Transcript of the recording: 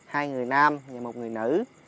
hai người nam và một người nữ